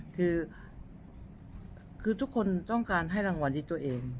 คือทุกคนต้องการให้รางวัลที่ตัวเอง